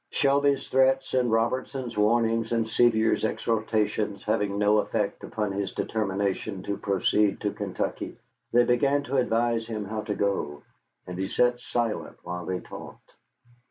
Shelby's threats and Robertson's warnings and Sevier's exhortations having no effect upon his determination to proceed to Kentucky, they began to advise him how to go, and he sat silent while they talked.